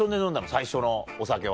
最初のお酒は。